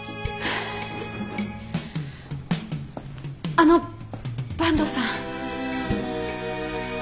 あの坂東さん。